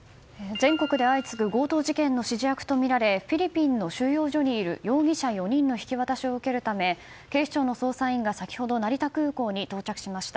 全国で相次ぐ強盗事件の指示役とみられフィリピンの収容所にいる容疑者４人の引き渡しを受けるため警視庁の捜査員が先ほど、成田空港に到着しました。